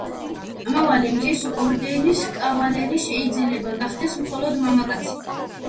ამომავალი მზის ორდენის კავალერი შეიძლება გახდეს მხოლოდ მამაკაცი.